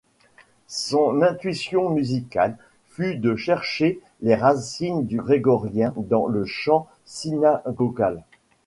Son intuition musicale fut de chercher les racines du grégorien dans le chant synagogal.